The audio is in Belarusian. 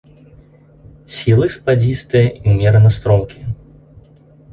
Схілы спадзістыя і ўмерана стромкія.